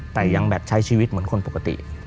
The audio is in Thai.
แต่ยังแบบใช้ชีวิตเหมือนคนปกติ